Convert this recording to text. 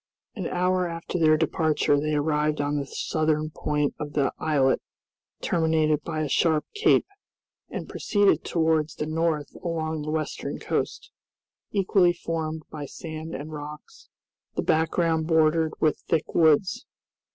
An hour after their departure they arrived on the southern point of the islet, terminated by a sharp cape, and proceeded towards the north along the western coast, equally formed by sand and rocks, the background bordered with thick woods.